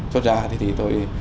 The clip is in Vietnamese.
xuất ra thì tôi